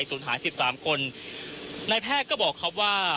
คุณทัศนาควดทองเลยค่ะ